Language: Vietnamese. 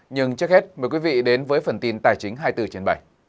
nhưng trước hết mời quý vị đến với phần tin tài chính hai mươi bốn trên bảy